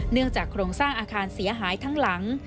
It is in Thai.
โครงสร้างอาคารเสียหายทั้งหลัง